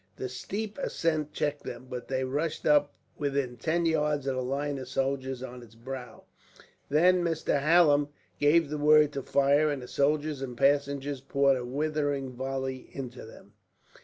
The steep ascent checked them, but they rushed up until within ten yards of the line of soldiers on its brow. Then Mr. Hallam gave the word to fire, and the soldiers and passengers poured a withering volley into them.